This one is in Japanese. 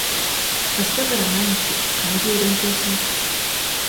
あしたから毎日漢字を勉強します。